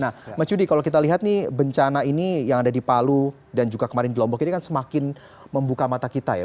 nah mas yudi kalau kita lihat nih bencana ini yang ada di palu dan juga kemarin di lombok ini kan semakin membuka mata kita ya